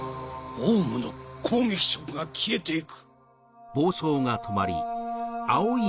王蟲の攻撃色が消えていく。